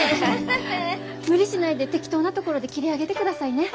無理しないで適当なところで切り上げてくださいね。